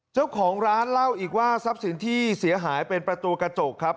เจ้าของร้านเล่าอีกว่าทรัพย์สินที่เสียหายเป็นประตูกระจกครับ